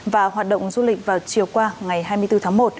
và hoạt động du lịch vào chiều qua ngày hai mươi bốn tháng một